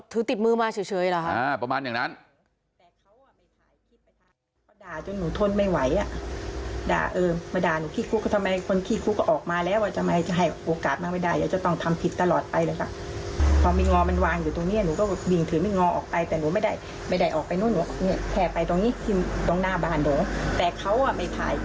ถือติดมือมาเฉยหรอครับ